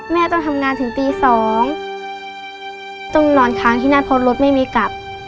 แม่ต้องทำงานถึงตีสองต้องหล่อนค้างที่นัดพอรถไม่มีกับ